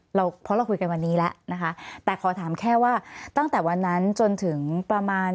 เราเพราะเราคุยกันวันนี้แล้วนะคะแต่ขอถามแค่ว่าตั้งแต่วันนั้นจนถึงประมาณ